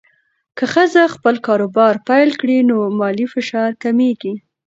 که ښځه خپل کاروبار پیل کړي، نو مالي فشار کمېږي.